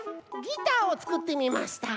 ギターをつくってみました。